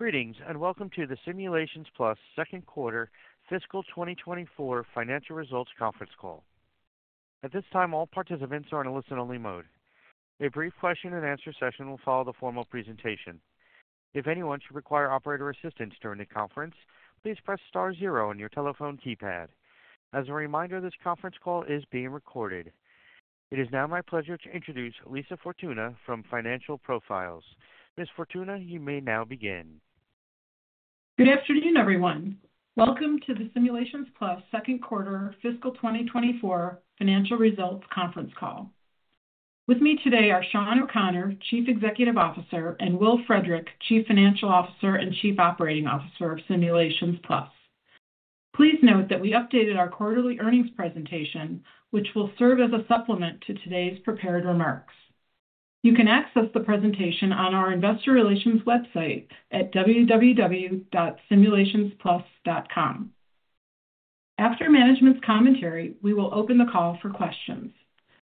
Greetings and welcome to the Simulations Plus second quarter fiscal 2024 financial results conference call. At this time, all participants are in a listen-only mode. A brief question-and-answer session will follow the formal presentation. If anyone should require operator assistance during the conference, please press star zero on your telephone keypad. As a reminder, this conference call is being recorded. It is now my pleasure to introduce Lisa Fortuna from Financial Profiles. Ms. Fortuna, you may now begin. Good afternoon, everyone. Welcome to the Simulations Plus second quarter fiscal 2024 financial results conference call. With me today are Shawn O'Connor, Chief Executive Officer, and Will Frederick, Chief Financial Officer and Chief Operating Officer of Simulations Plus. Please note that we updated our quarterly earnings presentation, which will serve as a supplement to today's prepared remarks. You can access the presentation on our Investor Relations website at www.simulationsplus.com. After management's commentary, we will open the call for questions.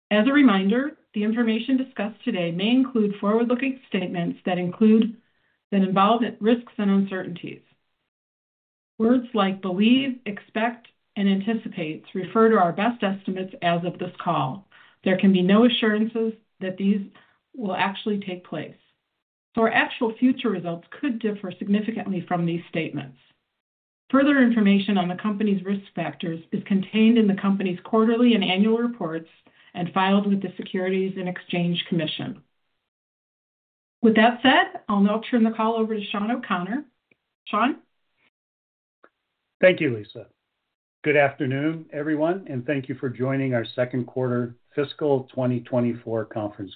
As a reminder, the information discussed today may include forward-looking statements that include involvement risks and uncertainties. Words like believe, expect, and anticipate refer to our best estimates as of this call. There can be no assurances that these will actually take place, so our actual future results could differ significantly from these statements. Further information on the company's risk factors is contained in the company's quarterly and annual reports and filed with the Securities and Exchange Commission. With that said, I'll now turn the call over to Shawn O'Connor. Shawn? Thank you, Lisa. Good afternoon, everyone, and thank you for joining our second quarter fiscal 2024 conference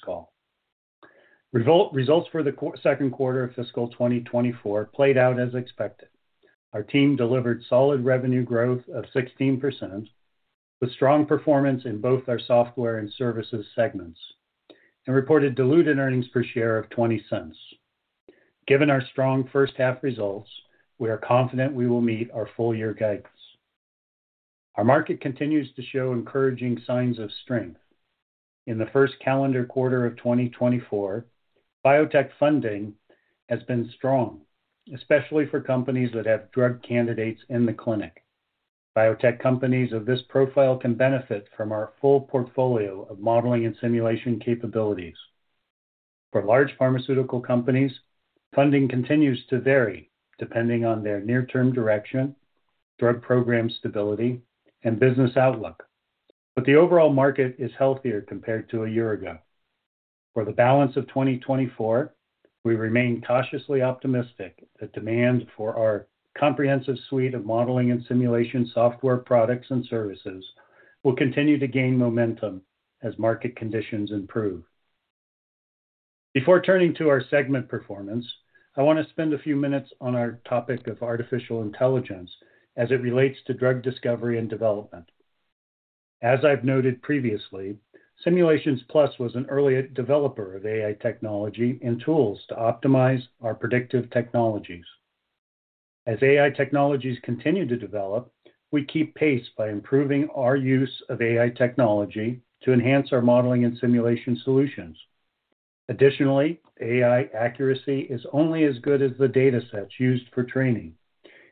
call. Results for the second quarter of fiscal 2024 played out as expected. Our team delivered solid revenue growth of 16% with strong performance in both our software and services segments and reported diluted earnings per share of $0.20. Given our strong first-half results, we are confident we will meet our full-year guidance. Our market continues to show encouraging signs of strength. In the first calendar quarter of 2024, biotech funding has been strong, especially for companies that have drug candidates in the clinic. Biotech companies of this profile can benefit from our full portfolio of modeling and simulation capabilities. For large pharmaceutical companies, funding continues to vary depending on their near-term direction, drug program stability, and business outlook, but the overall market is healthier compared to a year ago. For the balance of 2024, we remain cautiously optimistic that demand for our comprehensive suite of modeling and simulation software products and services will continue to gain momentum as market conditions improve. Before turning to our segment performance, I want to spend a few minutes on our topic of artificial intelligence as it relates to drug discovery and development. As I've noted previously, Simulations Plus was an early developer of AI technology and tools to optimize our predictive technologies. As AI technologies continue to develop, we keep pace by improving our use of AI technology to enhance our modeling and simulation solutions. Additionally, AI accuracy is only as good as the data sets used for training,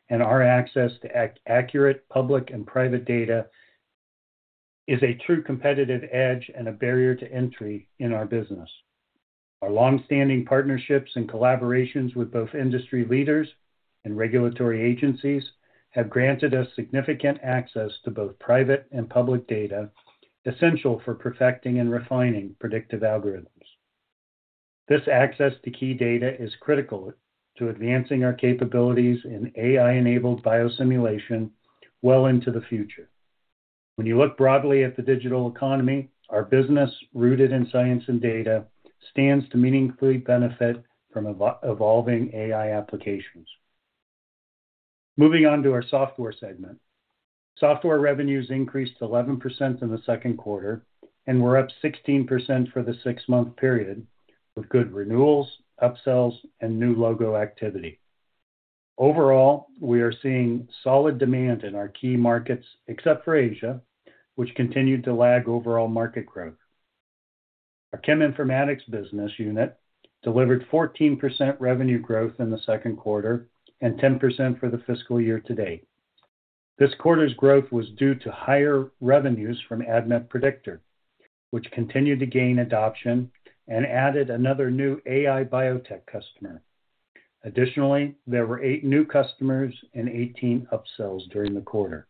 and our access to accurate public and private data is a true competitive edge and a barrier to entry in our business. Our longstanding partnerships and collaborations with both industry leaders and regulatory agencies have granted us significant access to both private and public data essential for perfecting and refining predictive algorithms. This access to key data is critical to advancing our capabilities in AI-enabled biosimulation well into the future. When you look broadly at the digital economy, our business rooted in science and data stands to meaningfully benefit from evolving AI applications. Moving on to our software segment, software revenues increased 11% in the second quarter, and we're up 16% for the six-month period with good renewals, upsells, and new logo activity. Overall, we are seeing solid demand in our key markets except for Asia, which continued to lag overall market growth. Our cheminformatics business unit delivered 14% revenue growth in the second quarter and 10% for the fiscal year to date. This quarter's growth was due to higher revenues from ADMET Predictor, which continued to gain adoption and added another new AI biotech customer. Additionally, there were eight new customers and 18 upsells during the quarter.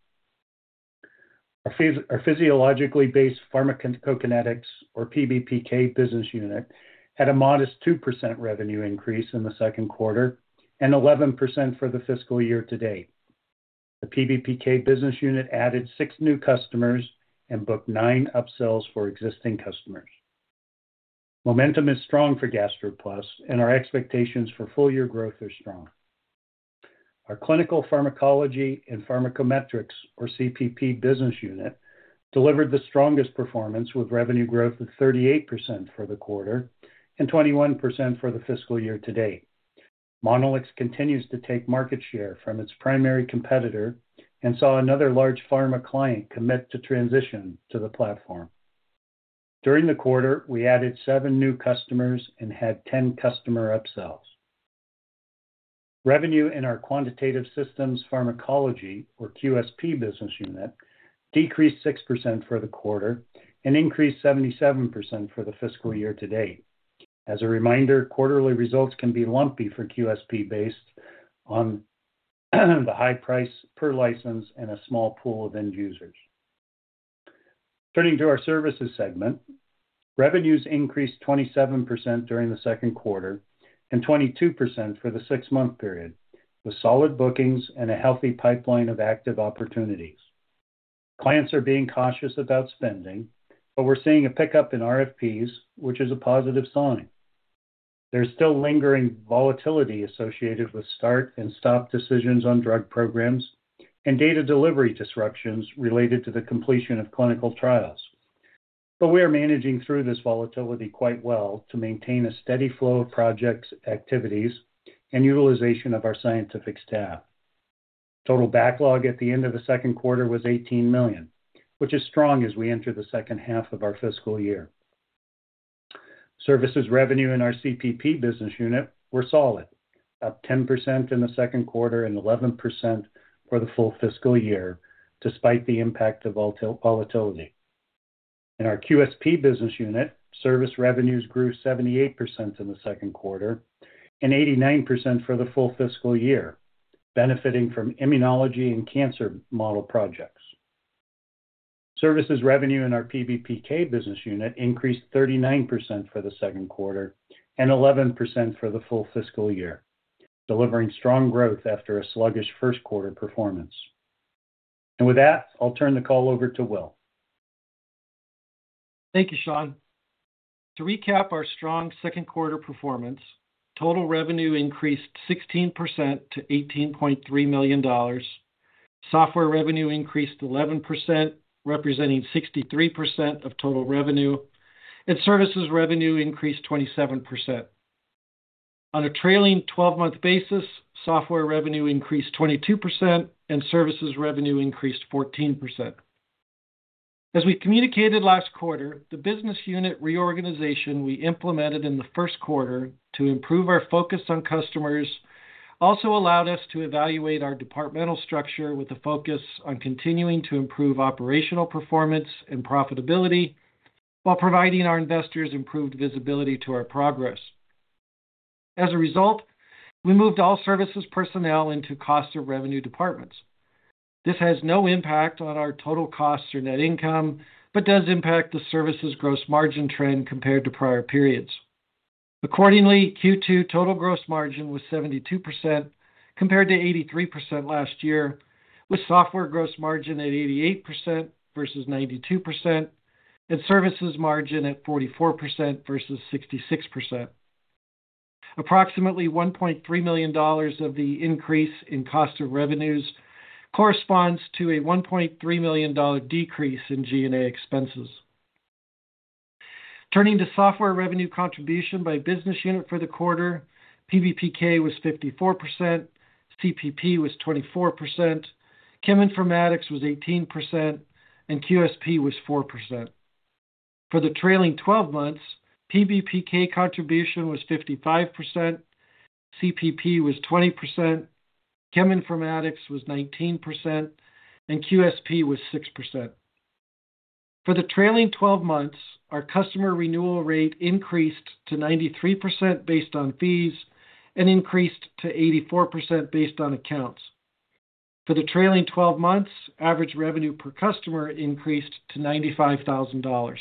Our physiologically based pharmacokinetics, or PBPK, business unit had a modest 2% revenue increase in the second quarter and 11% for the fiscal year to date. The PBPK business unit added six new customers and booked nine upsells for existing customers. Momentum is strong for GastroPlus, and our expectations for full-year growth are strong. Our clinical pharmacology and pharmacometrics, or CPP, business unit delivered the strongest performance with revenue growth of 38% for the quarter and 21% for the fiscal year to date. Monolix continues to take market share from its primary competitor and saw another large pharma client commit to transition to the platform. During the quarter, we added seven new customers and had 10 customer upsells. Revenue in our quantitative systems pharmacology, or QSP business unit, decreased 6% for the quarter and increased 77% for the fiscal year to date. As a reminder, quarterly results can be lumpy for QSP based on the high price per license and a small pool of end users. Turning to our services segment, revenues increased 27% during the second quarter and 22% for the six-month period with solid bookings and a healthy pipeline of active opportunities. Clients are being cautious about spending, but we're seeing a pickup in RFPs, which is a positive sign. There's still lingering volatility associated with start and stop decisions on drug programs and data delivery disruptions related to the completion of clinical trials, but we are managing through this volatility quite well to maintain a steady flow of projects, activities, and utilization of our scientific staff. Total backlog at the end of the second quarter was $18 million, which is strong as we enter the second half of our fiscal year. Services revenue in our CPP business unit were solid, up 10% in the second quarter and 11% for the full fiscal year despite the impact of volatility. In our QSP business unit, service revenues grew 78% in the second quarter and 89% for the full fiscal year, benefiting from immunology and cancer model projects. Services revenue in our PBPK business unit increased 39% for the second quarter and 11% for the full fiscal year, delivering strong growth after a sluggish first quarter performance. With that, I'll turn the call over to Will. Thank you, Shawn. To recap our strong second quarter performance, total revenue increased 16% to $18.3 million. Software revenue increased 11%, representing 63% of total revenue, and services revenue increased 27%. On a trailing 12-month basis, software revenue increased 22% and services revenue increased 14%. As we communicated last quarter, the business unit reorganization we implemented in the first quarter to improve our focus on customers also allowed us to evaluate our departmental structure with a focus on continuing to improve operational performance and profitability while providing our investors improved visibility to our progress. As a result, we moved all services personnel into cost of revenue departments. This has no impact on our total costs or net income but does impact the services gross margin trend compared to prior periods. Accordingly, Q2 total gross margin was 72% compared to 83% last year, with software gross margin at 88% versus 92% and services margin at 44% versus 66%. Approximately $1.3 million of the increase in cost of revenues corresponds to a $1.3 million decrease in G&A expenses. Turning to software revenue contribution by business unit for the quarter, PBPK was 54%, CPP was 24%, cheminformatics was 18%, and QSP was 4%. For the trailing 12 months, PBPK contribution was 55%, CPP was 20%, cheminformatics was 19%, and QSP was 6%. For the trailing 12 months, our customer renewal rate increased to 93% based on fees and increased to 84% based on accounts. For the trailing 12 months, average revenue per customer increased to $95,000.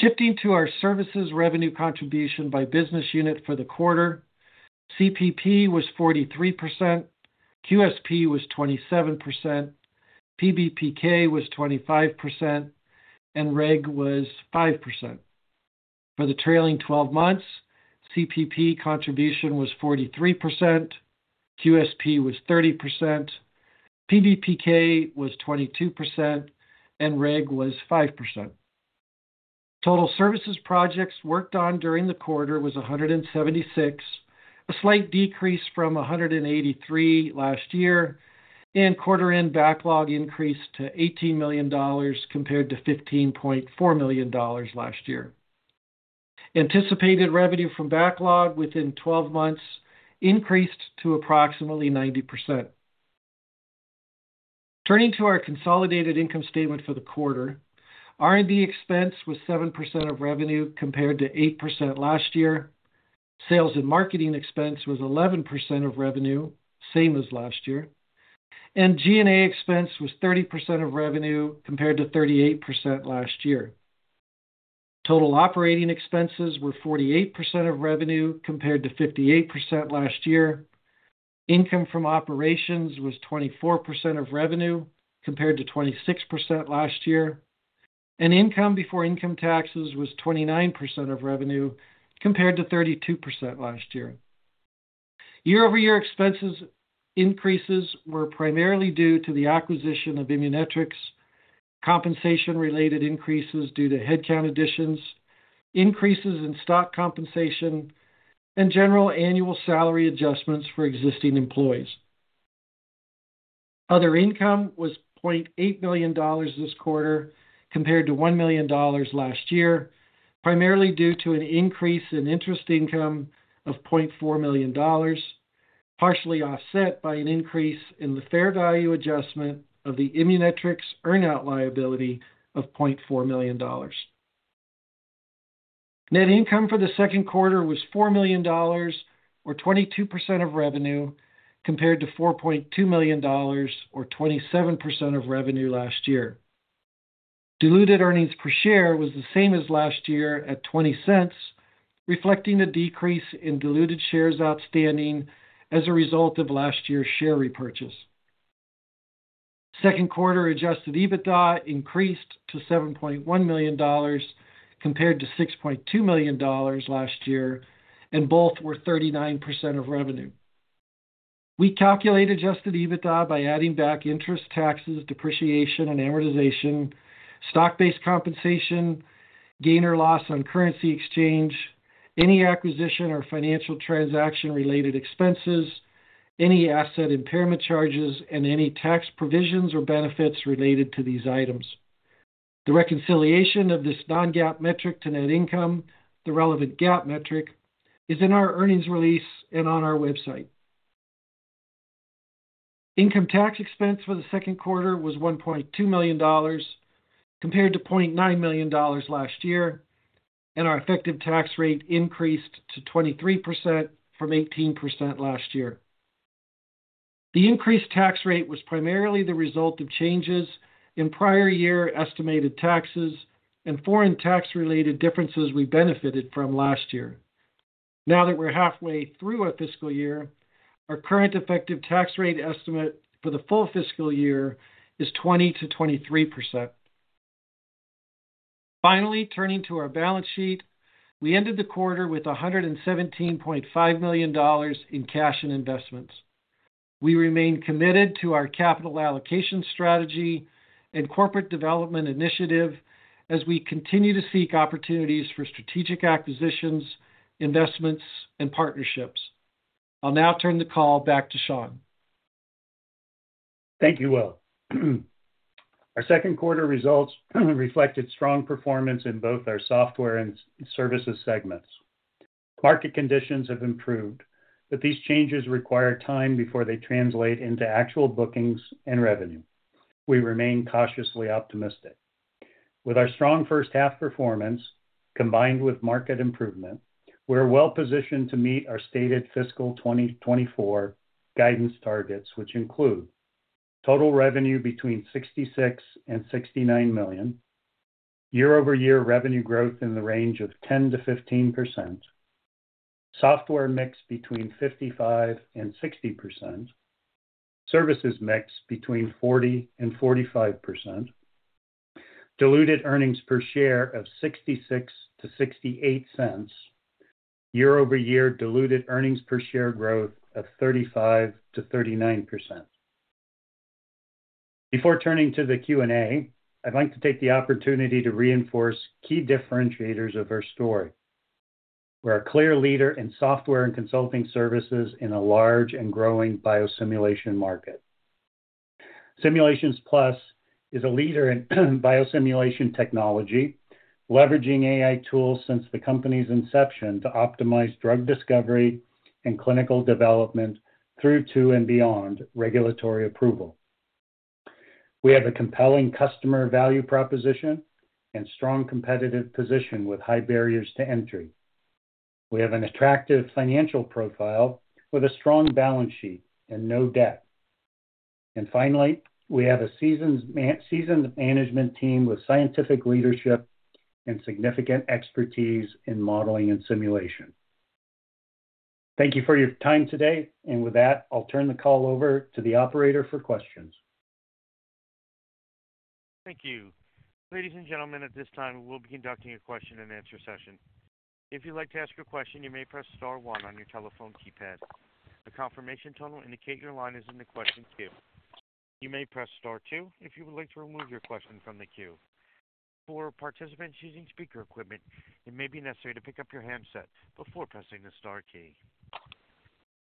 Shifting to our services revenue contribution by business unit for the quarter, CPP was 43%, QSP was 27%, PBPK was 25%, and Reg was 5%. For the trailing 12 months, CPP contribution was 43%, QSP was 30%, PBPK was 22%, and Reg was 5%. Total services projects worked on during the quarter was 176, a slight decrease from 183 last year, and quarter-end backlog increased to $18 million compared to $15.4 million last year. Anticipated revenue from backlog within 12 months increased to approximately 90%. Turning to our consolidated income statement for the quarter, R&D expense was 7% of revenue compared to 8% last year. Sales and marketing expense was 11% of revenue, same as last year, and G&A expense was 30% of revenue compared to 38% last year. Total operating expenses were 48% of revenue compared to 58% last year. Income from operations was 24% of revenue compared to 26% last year, and income before income taxes was 29% of revenue compared to 32% last year. Year-over-year expenses increases were primarily due to the acquisition of Immunetrics, compensation-related increases due to headcount additions, increases in stock compensation, and general annual salary adjustments for existing employees. Other income was $0.8 million this quarter compared to $1 million last year, primarily due to an increase in interest income of $0.4 million, partially offset by an increase in the fair value adjustment of the Immunetrics earnout liability of $0.4 million. Net income for the second quarter was $4 million, or 22% of revenue, compared to $4.2 million, or 27% of revenue last year. Diluted earnings per share was the same as last year at $0.20, reflecting a decrease in diluted shares outstanding as a result of last year's share repurchase. Second quarter adjusted EBITDA increased to $7.1 million compared to $6.2 million last year, and both were 39% of revenue. We calculate adjusted EBITDA by adding back interest, taxes, depreciation, and amortization, stock-based compensation, gain or loss on currency exchange, any acquisition or financial transaction-related expenses, any asset impairment charges, and any tax provisions or benefits related to these items. The reconciliation of this non-GAAP metric to net income, the relevant GAAP metric, is in our earnings release and on our website. Income tax expense for the second quarter was $1.2 million compared to $0.9 million last year, and our effective tax rate increased to 23% from 18% last year. The increased tax rate was primarily the result of changes in prior year estimated taxes and foreign tax-related differences we benefited from last year. Now that we're halfway through our fiscal year, our current effective tax rate estimate for the full fiscal year is 20%-23%. Finally, turning to our balance sheet, we ended the quarter with $117.5 million in cash and investments. We remain committed to our capital allocation strategy and corporate development initiative as we continue to seek opportunities for strategic acquisitions, investments, and partnerships. I'll now turn the call back to Shawn. Thank you, Will. Our second quarter results reflected strong performance in both our software and services segments. Market conditions have improved, but these changes require time before they translate into actual bookings and revenue. We remain cautiously optimistic. With our strong first-half performance combined with market improvement, we're well-positioned to meet our stated fiscal 2024 guidance targets, which include total revenue between $66 million-$69 million, year-over-year revenue growth in the range of 10%-15%, software mix between 55%-60%, services mix between 40%-45%, diluted earnings per share of $0.66-$0.68, year-over-year diluted earnings per share growth of 35%-39%. Before turning to the Q&A, I'd like to take the opportunity to reinforce key differentiators of our story. We're a clear leader in software and consulting services in a large and growing biosimulation market. Simulations Plus is a leader in biosimulation technology, leveraging AI tools since the company's inception to optimize drug discovery and clinical development through to and beyond regulatory approval. We have a compelling customer value proposition and strong competitive position with high barriers to entry. We have an attractive financial profile with a strong balance sheet and no debt. And finally, we have a seasoned management team with scientific leadership and significant expertise in modeling and simulation. Thank you for your time today. And with that, I'll turn the call over to the operator for questions. Thank you. Ladies and gentlemen, at this time, we'll begin conducting a question-and-answer session. If you'd like to ask a question, you may press star one on your telephone keypad. The confirmation tone will indicate your line is in the question queue. You may press star two if you would like to remove your question from the queue. For participants using speaker equipment, it may be necessary to pick up your handset before pressing the star key.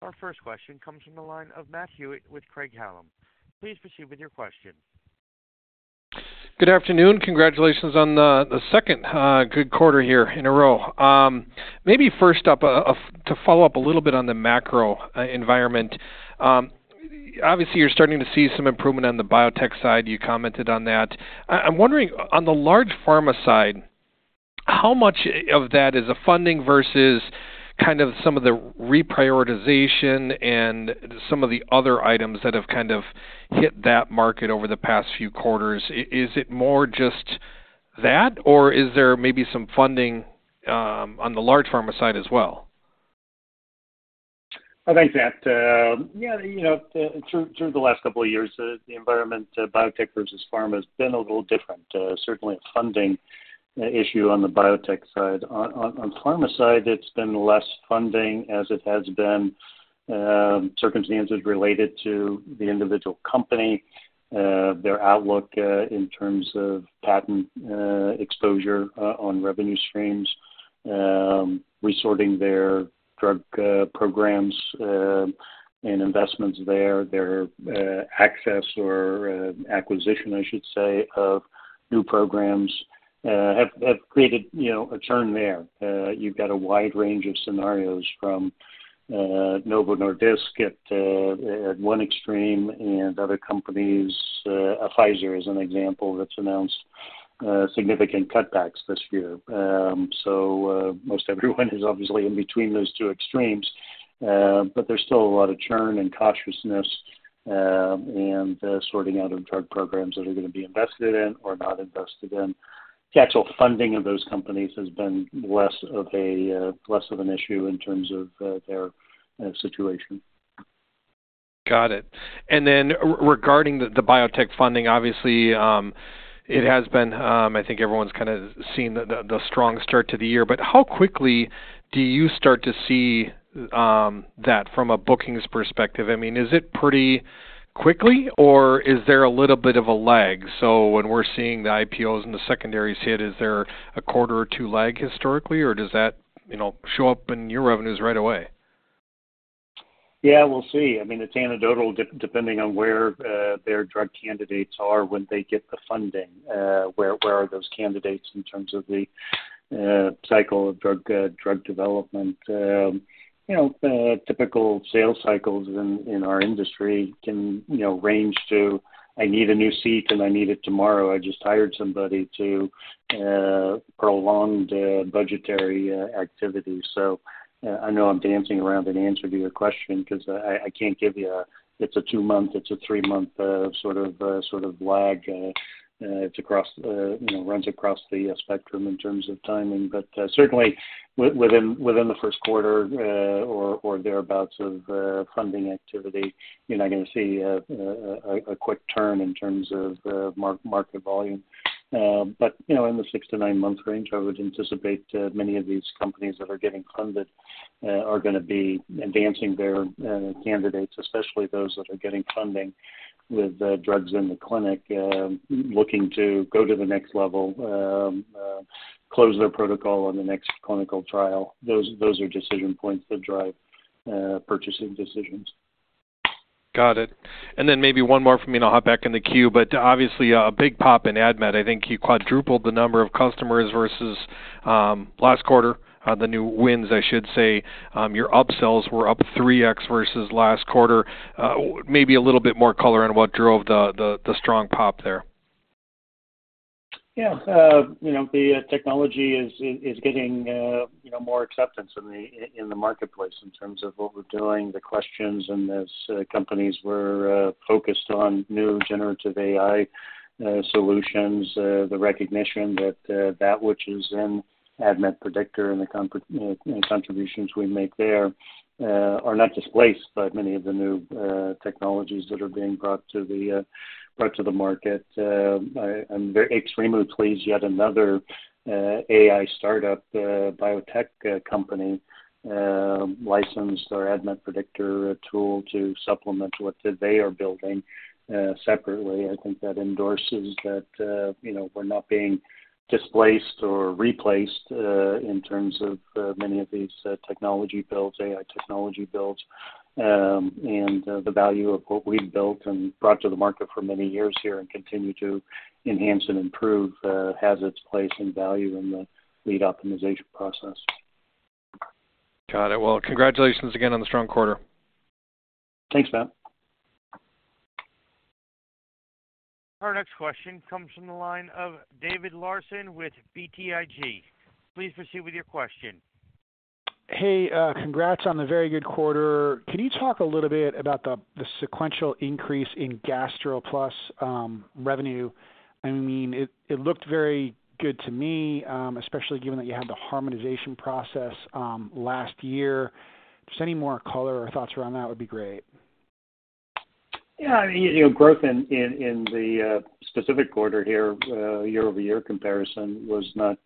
Our first question comes from the line of Matt Hewitt with Craig-Hallum. Please proceed with your question. Good afternoon. Congratulations on the second good quarter here in a row. Maybe first up, to follow up a little bit on the macro environment. Obviously, you're starting to see some improvement on the biotech side. You commented on that. I'm wondering, on the large pharma side, how much of that is funding versus kind of some of the reprioritization and some of the other items that have kind of hit that market over the past few quarters? Is it more just that, or is there maybe some funding on the large pharma side as well? I think that, yeah, through the last couple of years, the environment biotech versus pharma has been a little different, certainly a funding issue on the biotech side. On pharma side, it's been less funding as it has been circumstances related to the individual company, their outlook in terms of patent exposure on revenue streams, resorting their drug programs and investments there, their access or acquisition, I should say, of new programs have created a churn there. You've got a wide range of scenarios from Novo Nordisk at one extreme and other companies. Pfizer is an example that's announced significant cutbacks this year. So most everyone is obviously in between those two extremes. But there's still a lot of churn and cautiousness and sorting out of drug programs that are going to be invested in or not invested in. The actual funding of those companies has been less of an issue in terms of their situation. Got it. Then regarding the biotech funding, obviously, it has been I think everyone's kind of seen the strong start to the year. But how quickly do you start to see that from a bookings perspective? I mean, is it pretty quickly, or is there a little bit of a lag? So when we're seeing the IPOs and the secondaries hit, is there a quarter or two lag historically, or does that show up in your revenues right away? Yeah, we'll see. I mean, it's anecdotal depending on where their drug candidates are when they get the funding, where are those candidates in terms of the cycle of drug development. Typical sales cycles in our industry can range to, "I need a new seat, and I need it tomorrow. I just hired somebody to prolong the budgetary activity." So I know I'm dancing around an answer to your question because I can't give you a it's a two-month, it's a three-month sort of lag. It runs across the spectrum in terms of timing. But certainly, within the first quarter or thereabouts of funding activity, you're not going to see a quick turn in terms of market volume. In the six-nine-month range, I would anticipate many of these companies that are getting funded are going to be advancing their candidates, especially those that are getting funding with drugs in the clinic, looking to go to the next level, close their protocol on the next clinical trial. Those are decision points that drive purchasing decisions. Got it. And then maybe one more from me, and I'll hop back in the queue. But obviously, a big pop in ADMET. I think you quadrupled the number of customers versus last quarter, the new wins, I should say. Your upsells were up 3x versus last quarter. Maybe a little bit more color on what drove the strong pop there. Yeah. The technology is getting more acceptance in the marketplace in terms of what we're doing, the questions, and as companies were focused on new generative AI solutions, the recognition that that which is in ADMET Predictor and the contributions we make there are not displaced by many of the new technologies that are being brought to the market. I'm extremely pleased yet another AI startup, biotech company, licensed their ADMET Predictor tool to supplement what they are building separately. I think that endorses that we're not being displaced or replaced in terms of many of these technology builds, AI technology builds. And the value of what we've built and brought to the market for many years here and continue to enhance and improve has its place and value in the lead optimization process. Got it. Well, congratulations again on the strong quarter. Thanks, Matt. Our next question comes from the line of David Larsen with BTIG. Please proceed with your question. Hey, congrats on the very good quarter. Can you talk a little bit about the sequential increase in GastroPlus revenue? I mean, it looked very good to me, especially given that you had the harmonization process last year. Just any more color or thoughts around that would be great. Yeah. I mean, growth in the specific quarter here, year-over-year comparison, was not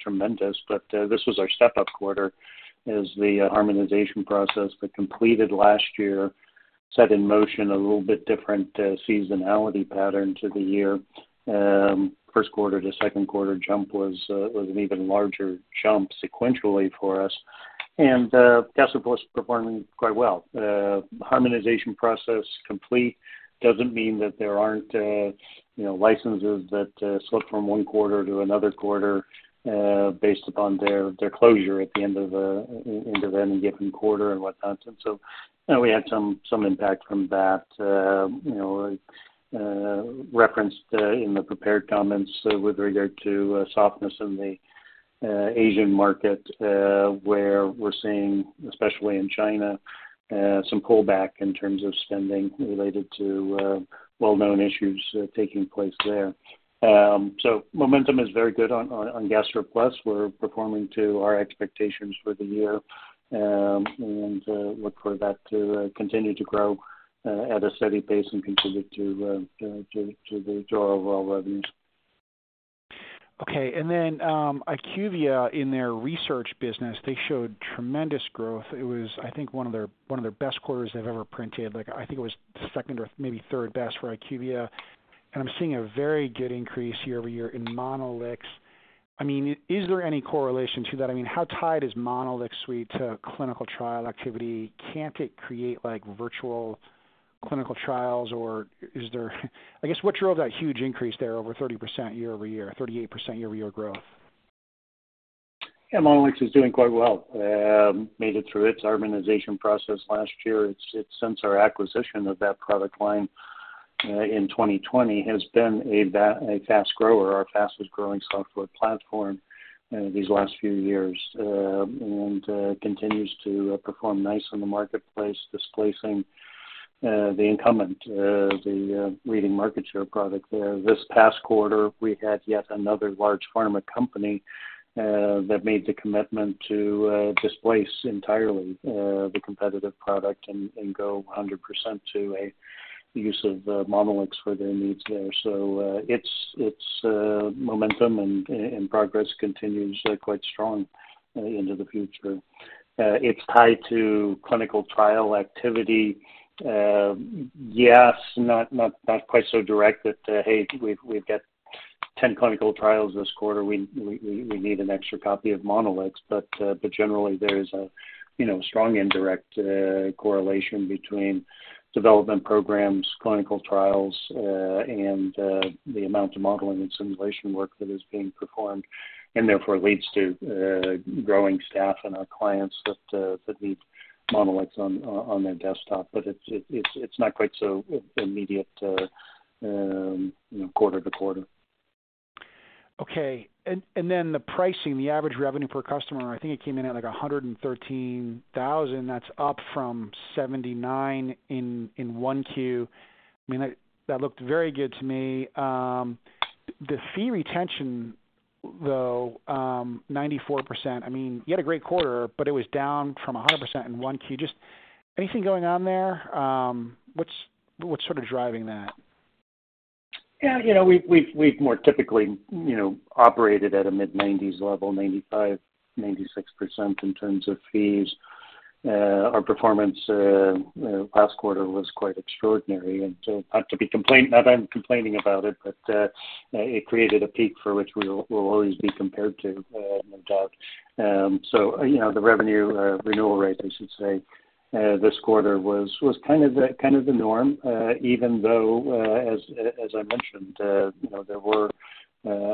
tremendous. But this was our step-up quarter as the harmonization process that completed last year set in motion a little bit different seasonality pattern to the year. First quarter to second quarter jump was an even larger jump sequentially for us. And GastroPlus is performing quite well. Harmonization process complete doesn't mean that there aren't licenses that slip from one quarter to another quarter based upon their closure at the end of any given quarter and whatnot. And so we had some impact from that referenced in the prepared comments with regard to softness in the Asian market where we're seeing, especially in China, some pullback in terms of spending related to well-known issues taking place there. So momentum is very good on GastroPlus. We're performing to our expectations for the year and look for that to continue to grow at a steady pace and contribute to our overall revenues. Okay. And then IQVIA, in their research business, they showed tremendous growth. It was, I think, one of their best quarters they've ever printed. I think it was second or maybe third best for IQVIA. And I'm seeing a very good increase year-over-year in Monolix. I mean, is there any correlation to that? I mean, how tied is Monolix Suite to clinical trial activity? Can't it create virtual clinical trials, or is there, I guess, what drove that huge increase there over 30% year-over-year, 38% year-over-year growth? Yeah, Monolix is doing quite well. Made it through its harmonization process last year. It's since our acquisition of that product line in 2020 has been a fast grower, our fastest-growing software platform these last few years, and continues to perform nice in the marketplace, displacing the incumbent, the leading market share product there. This past quarter, we had yet another large pharma company that made the commitment to displace entirely the competitive product and go 100% to a use of Monolix for their needs there. So its momentum and progress continues quite strong into the future. It's tied to clinical trial activity. Yes, not quite so direct that, "Hey, we've got 10 clinical trials this quarter. We need an extra copy of Monolix." But generally, there is a strong indirect correlation between development programs, clinical trials, and the amount of modeling and simulation work that is being performed and therefore leads to growing staff and our clients that need Monolix on their desktop. But it's not quite so immediate quarter to quarter. Okay. Then the pricing, the average revenue per customer, I think it came in at like $113,000. That's up from $79,000 in Q1. I mean, that looked very good to me. The fee retention, though, 94%. I mean, you had a great quarter, but it was down from 100% in Q1. Just anything going on there? What's sort of driving that? Yeah. We've more typically operated at a mid-90s level, 95%, 96% in terms of fees. Our performance last quarter was quite extraordinary. So not that I'm complaining about it, but it created a peak for which we'll always be compared to, no doubt. So the revenue renewal rate, I should say, this quarter was kind of the norm, even though, as I mentioned, there were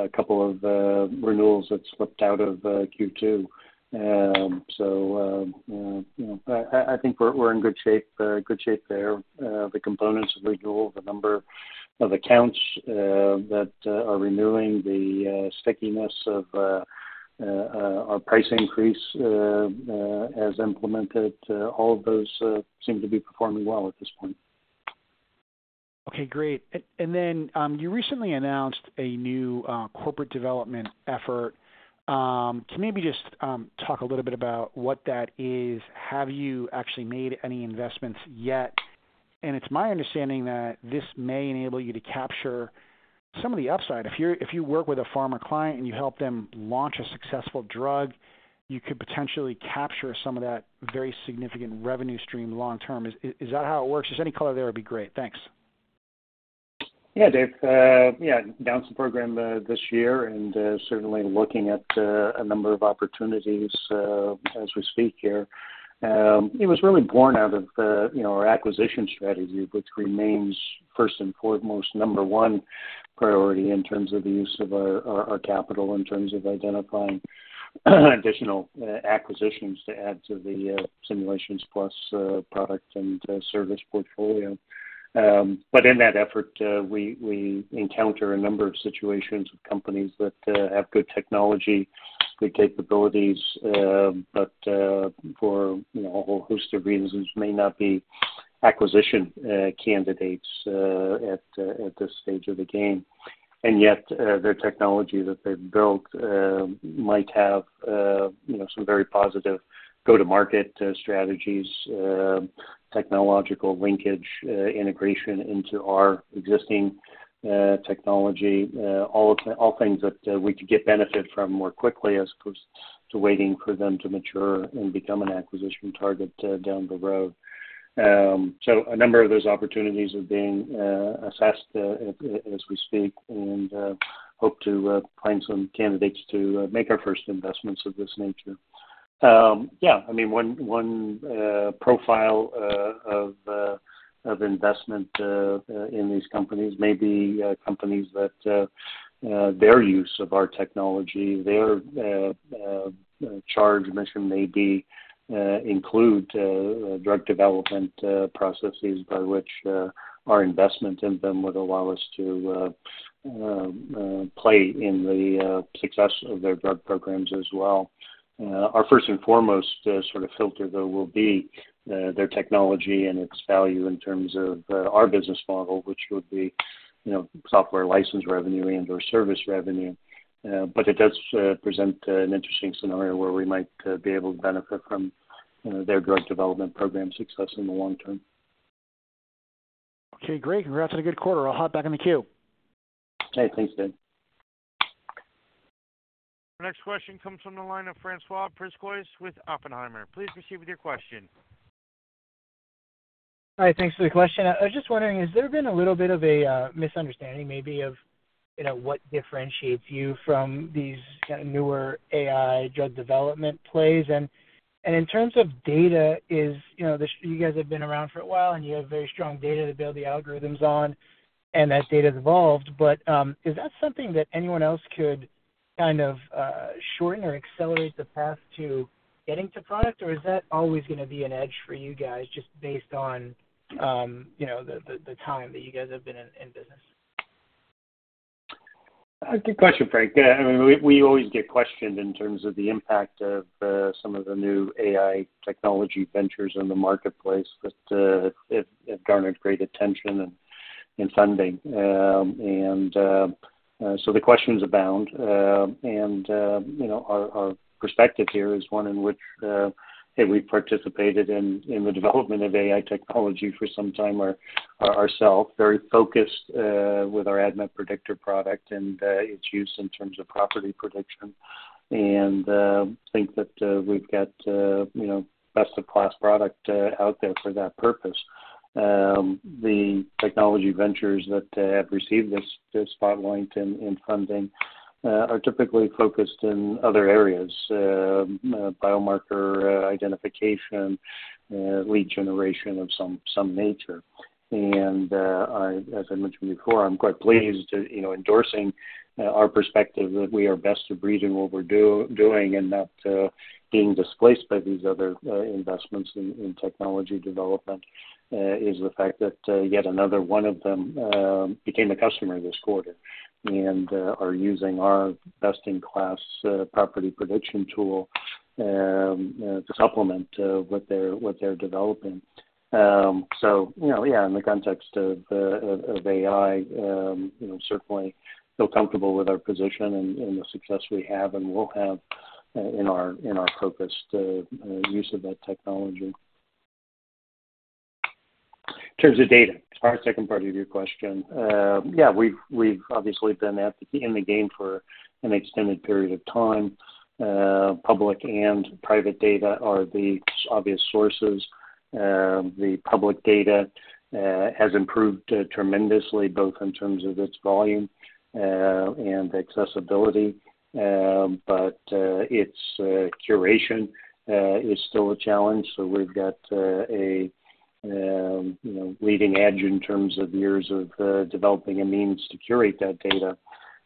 a couple of renewals that slipped out of Q2. So I think we're in good shape there. The components of renewal, the number of accounts that are renewing, the stickiness of our price increase as implemented, all of those seem to be performing well at this point. Okay. Great. And then you recently announced a new corporate development effort. Can you maybe just talk a little bit about what that is? Have you actually made any investments yet? And it's my understanding that this may enable you to capture some of the upside. If you work with a pharma client and you help them launch a successful drug, you could potentially capture some of that very significant revenue stream long term. Is that how it works? Just any color there would be great. Thanks. Yeah, Dave. Yeah. Done some program this year and certainly looking at a number of opportunities as we speak here. It was really born out of our acquisition strategy, which remains first and foremost number one priority in terms of the use of our capital, in terms of identifying additional acquisitions to add to the Simulations Plus product and service portfolio. But in that effort, we encounter a number of situations with companies that have good technology, good capabilities, but for a whole host of reasons, may not be acquisition candidates at this stage of the game. And yet, the technology that they've built might have some very positive go-to-market strategies, technological linkage, integration into our existing technology, all things that we could get benefit from more quickly as opposed to waiting for them to mature and become an acquisition target down the road. So a number of those opportunities are being assessed as we speak and hope to find some candidates to make our first investments of this nature. Yeah. I mean, one profile of investment in these companies may be companies that their use of our technology, their charge mission may be include drug development processes by which our investment in them would allow us to play in the success of their drug programs as well. Our first and foremost sort of filter, though, will be their technology and its value in terms of our business model, which would be software license revenue and/or service revenue. But it does present an interesting scenario where we might be able to benefit from their drug development program success in the long term. Okay. Great. Congrats on a good quarter. I'll hop back in the queue. All right. Thanks, Dave. Our next question comes from the line of François Brisebois with Oppenheimer. Please proceed with your question. Hi. Thanks for the question. I was just wondering, has there been a little bit of a misunderstanding maybe of what differentiates you from these kind of newer AI drug development plays? And in terms of data, you guys have been around for a while, and you have very strong data to build the algorithms on, and that data's evolved. But is that something that anyone else could kind of shorten or accelerate the path to getting to product, or is that always going to be an edge for you guys just based on the time that you guys have been in business? Good question, Frank. I mean, we always get questioned in terms of the impact of some of the new AI technology ventures in the marketplace that have garnered great attention and funding. And so the questions abound. And our perspective here is one in which, hey, we've participated in the development of AI technology for some time ourselves, very focused with our ADMET Predictor product and its use in terms of property prediction, and think that we've got best-in-class product out there for that purpose. The technology ventures that have received this spotlight and funding are typically focused in other areas, biomarker identification, lead generation of some nature. As I mentioned before, I'm quite pleased endorsing our perspective that we are best of breed in what we're doing, and not being displaced by these other investments in technology development is the fact that yet another one of them became a customer this quarter and are using our best-in-class property prediction tool to supplement what they're developing. So yeah, in the context of AI, certainly, feel comfortable with our position and the success we have and will have in our focused use of that technology. In terms of data, as far as the second part of your question, yeah, we've obviously been in the game for an extended period of time. Public and private data are the obvious sources. The public data has improved tremendously both in terms of its volume and accessibility, but its curation is still a challenge. So we've got a leading edge in terms of years of developing a means to curate that data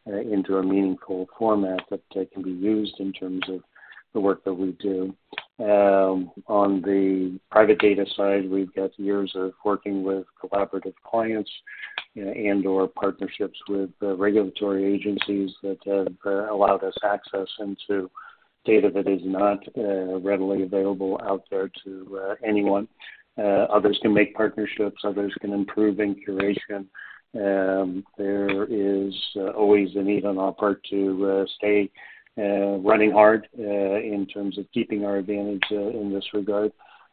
into a meaningful format that can be used in terms of the work that we do. On the private data side, we've got years of working with collaborative clients and/or partnerships with regulatory agencies that have allowed us access into data that is not readily available out there to anyone. Others can make partnerships. Others can improve in curation. There is always a need on our part to stay running hard in terms of keeping our advantage in this regard.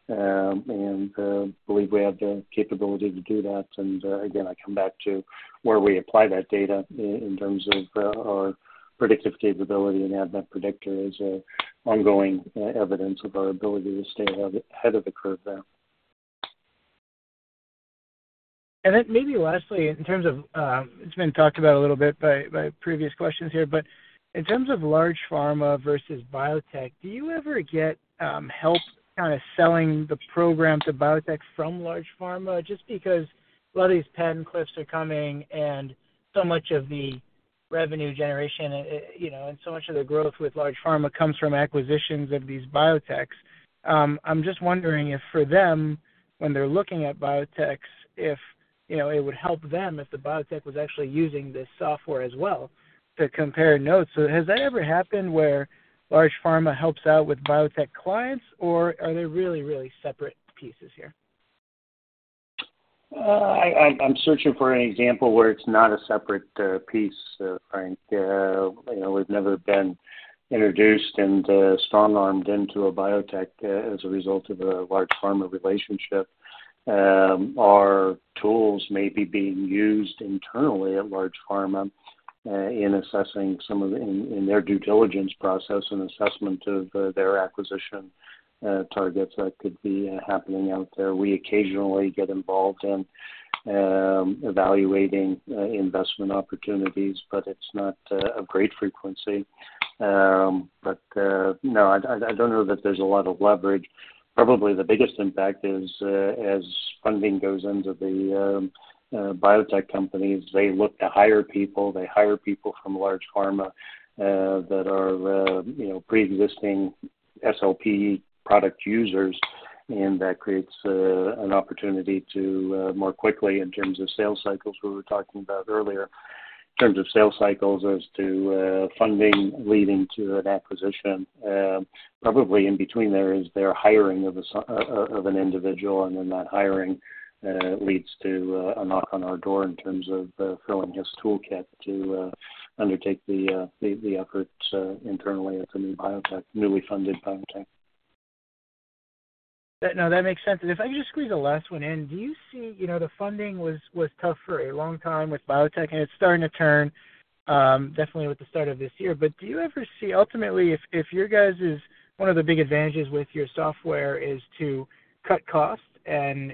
And I believe we have the capability to do that. And again, I come back to where we apply that data in terms of our predictive capability. And ADMET Predictor is ongoing evidence of our ability to stay ahead of the curve there. And then maybe lastly, in terms of it's been talked about a little bit by previous questions here, but in terms of large pharma versus biotech, do you ever get help kind of selling the program to biotech from large pharma? Just because a lot of these patent cliffs are coming, and so much of the revenue generation and so much of the growth with large pharma comes from acquisitions of these biotechs, I'm just wondering if for them, when they're looking at biotechs, if it would help them if the biotech was actually using this software as well to compare notes. So has that ever happened where large pharma helps out with biotech clients, or are they really, really separate pieces here? I'm searching for an example where it's not a separate piece, Frank. We've never been introduced and strong-armed into a biotech as a result of a large pharma relationship. Our tools may be being used internally at large pharma in assessing some of the in their due diligence process and assessment of their acquisition targets that could be happening out there. We occasionally get involved in evaluating investment opportunities, but it's not of great frequency. But no, I don't know that there's a lot of leverage. Probably the biggest impact is as funding goes into the biotech companies, they look to hire people. They hire people from large pharma that are pre-existing SLP product users, and that creates an opportunity to more quickly in terms of sales cycles we were talking about earlier. In terms of sales cycles as to funding leading to an acquisition, probably in between there is their hiring of an individual, and then that hiring leads to a knock on our door in terms of filling his toolkit to undertake the efforts internally at the newly funded biotech. No, that makes sense. And if I could just squeeze the last one in, do you see the funding was tough for a long time with biotech, and it's starting to turn definitely with the start of this year? But do you ever see ultimately, if your guys' one of the big advantages with your software is to cut costs and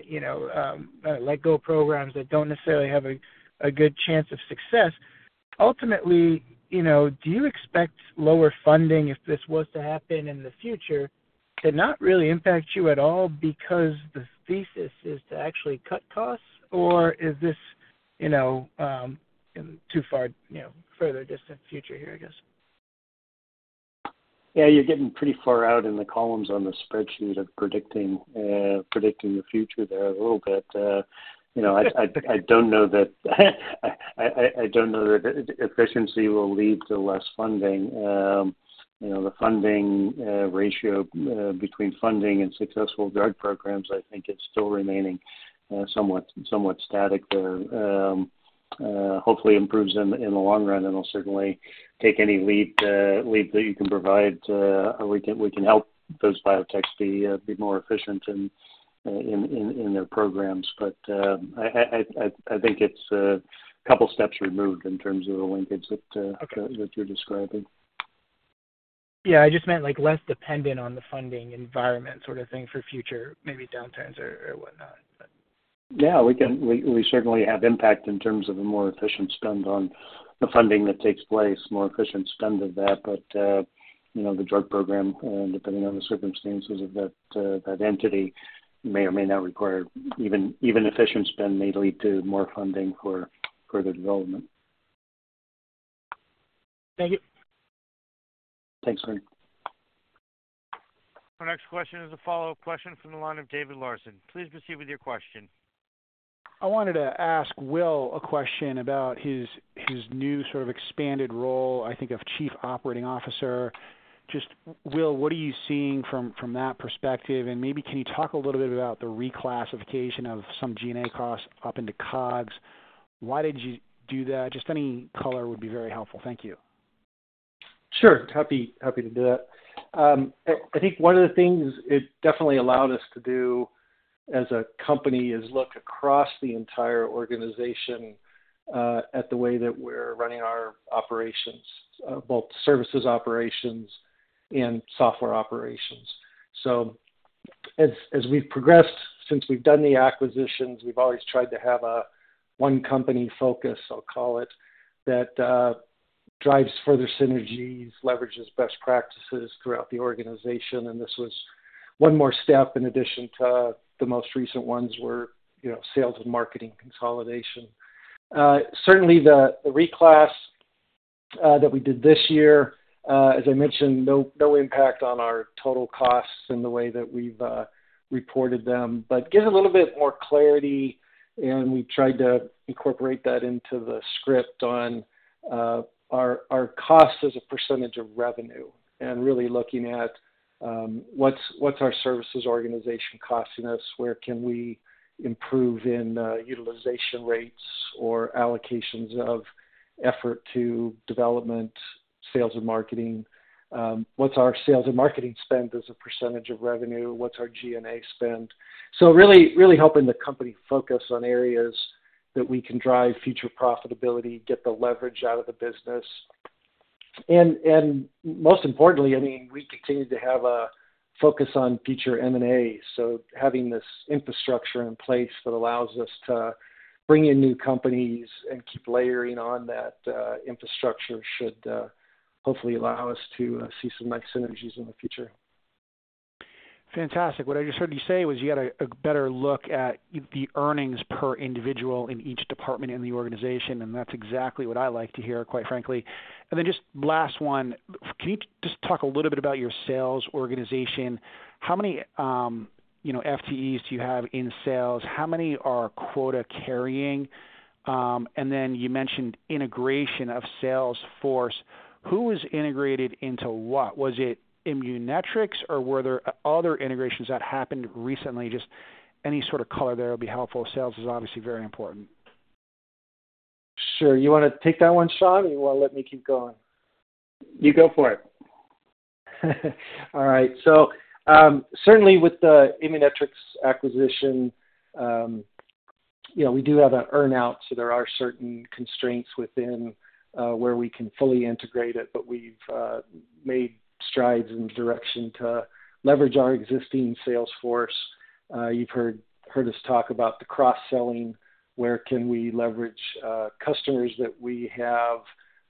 let go of programs that don't necessarily have a good chance of success, ultimately, do you expect lower funding, if this was to happen in the future, to not really impact you at all because the thesis is to actually cut costs, or is this in a too far further distant future here, I guess? Yeah. You're getting pretty far out in the columns on the spreadsheet of predicting the future there a little bit. I don't know that efficiency will lead to less funding. The funding ratio between funding and successful drug programs, I think, is still remaining somewhat static there. Hopefully, it improves in the long run, and it'll certainly take any lead that you can provide. We can help those biotechs be more efficient in their programs. But I think it's a couple steps removed in terms of the linkage that you're describing. Yeah. I just meant less dependent on the funding environment sort of thing for future maybe downturns or whatnot, but. Yeah. We certainly have impact in terms of a more efficient spend on the funding that takes place, more efficient spend of that. But the drug program, depending on the circumstances of that entity, may or may not require. Even efficient spend may lead to more funding for further development. Thank you. Thanks, Frank. Our next question is a follow-up question from the line of David Larsen. Please proceed with your question. I wanted to ask Will a question about his new sort of expanded role, I think, of Chief Operating Officer. Just Will, what are you seeing from that perspective? And maybe can you talk a little bit about the reclassification of some G&A costs up into COGS? Why did you do that? Just any color would be very helpful. Thank you. Sure. Happy to do that. I think one of the things it definitely allowed us to do as a company is look across the entire organization at the way that we're running our operations, both services operations and software operations. So as we've progressed since we've done the acquisitions, we've always tried to have a one-company focus, I'll call it, that drives further synergies, leverages best practices throughout the organization. And this was one more step in addition to the most recent ones were sales and marketing consolidation. Certainly, the reclass that we did this year, as I mentioned, no impact on our total costs in the way that we've reported them, but gives a little bit more clarity. We've tried to incorporate that into the script on our costs as a percentage of revenue and really looking at what's our services organization costing us, where can we improve in utilization rates or allocations of effort to development, sales, and marketing, what's our sales and marketing spend as a percentage of revenue, what's our G&A spend. So really helping the company focus on areas that we can drive future profitability, get the leverage out of the business. Most importantly, I mean, we continue to have a focus on future M&A. So having this infrastructure in place that allows us to bring in new companies and keep layering on that infrastructure should hopefully allow us to see some nice synergies in the future. Fantastic. What I just heard you say was you had a better look at the earnings per individual in each department in the organization, and that's exactly what I like to hear, quite frankly. And then just last one, can you just talk a little bit about your sales organization? How many FTEs do you have in sales? How many are quota-carrying? And then you mentioned integration of sales force. Who is integrated into what? Was it Immunetrics, or were there other integrations that happened recently? Just any sort of color there would be helpful. Sales is obviously very important. Sure. You want to take that one, Shawn, or you want to let me keep going? You go for it. All right. So certainly, with the Immunetrics acquisition, we do have an earnout, so there are certain constraints within where we can fully integrate it. But we've made strides in direction to leverage our existing sales force. You've heard us talk about the cross-selling. Where can we leverage customers that we have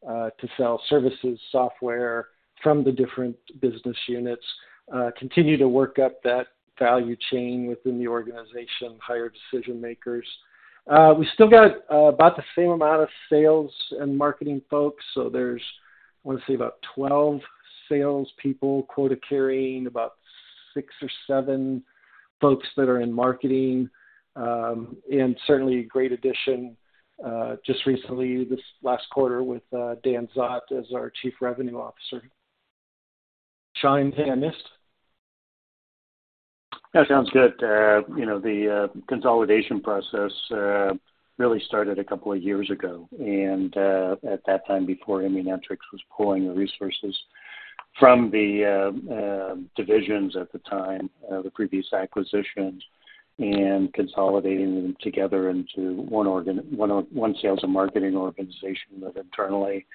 to sell services, software from the different business units, continue to work up that value chain within the organization, hire decision-makers? We still got about the same amount of sales and marketing folks. So there's, I want to say, about 12 salespeople quota-carrying, about six or seven folks that are in marketing, and certainly a great addition just recently, this last quarter, with Dan Szot as our Chief Revenue Officer. Shawn, have you got anything to add? That sounds good. The consolidation process really started a couple of years ago, and at that time, before Immunetrics was pulling the resources from the divisions at the time, the previous acquisitions, and consolidating them together into one sales and marketing organization that internally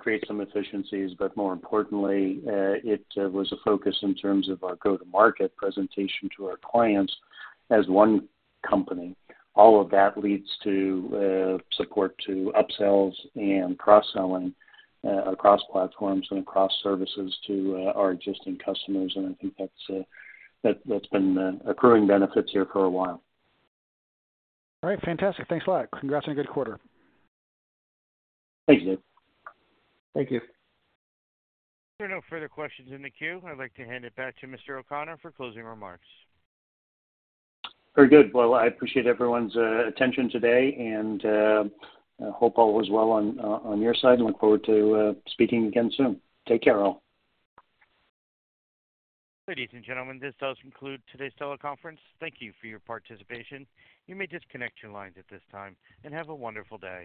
creates some efficiencies. But more importantly, it was a focus in terms of our go-to-market presentation to our clients as one company. All of that leads to support to upsells and cross-selling across platforms and across services to our existing customers. And I think that's been accruing benefits here for a while. All right. Fantastic. Thanks a lot. Congrats on a good quarter. Thanks, Dave. Thank you. If there are no further questions in the queue, I'd like to hand it back to Mr. O'Connor for closing remarks. Very good. Well, I appreciate everyone's attention today, and I hope all was well on your side. Look forward to speaking again soon. Take care, all. Ladies and gentlemen, this does conclude today's teleconference. Thank you for your participation. You may disconnect your lines at this time, and have a wonderful day.